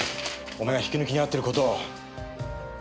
お前が引き抜きにあってる事を。